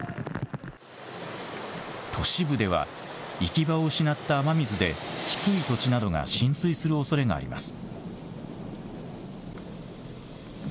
都市部では行き場を失った雨水で低い土地などが浸水するおそれがあります。